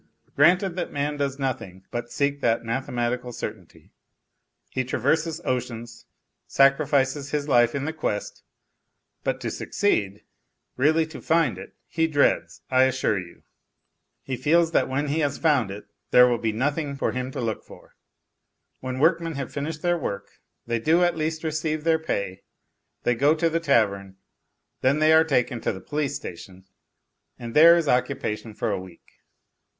Granted that man does nothing but seek that mathematical certainty, he traverses oceans, sacrifices his life in the quest, but to succeed, really to find it, he dreads, I assure you. He feels that when he has found it there will be nothing for him to look for. When workmen have finished their work they do at least receive their pay, they go to the tavern, then they are taken to the police station and there is occupation for a week.